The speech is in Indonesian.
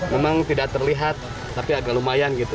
memang tidak terlihat tapi agak lumayan gitu